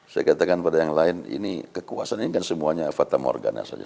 saya katakan pada yang lain ini kekuasaan ini kan semuanya fata morgana saja